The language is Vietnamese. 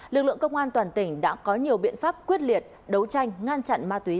lực lượng công an toàn tỉnh đã có nhiều biện pháp quyết liệt đấu tranh ngăn chặn ma túy